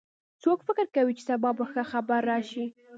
څوک فکر کوي چې سبا به ښه خبر راشي